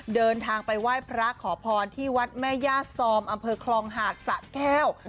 เดินทางไปไหว้พระขอพรที่วัดแม่ญาติซอมอำเภอคลองหาดสะแก้ว